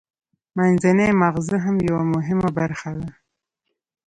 منځنی مغزه هم یوه مهمه برخه ده